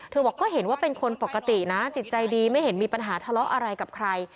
บอกก็เห็นว่าเป็นคนปกตินะจิตใจดีไม่เห็นมีปัญหาทะเลาะอะไรกับใคร